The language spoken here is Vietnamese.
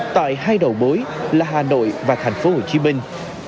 tại hai đầu bối là hà nội và thành phố hồ chí minh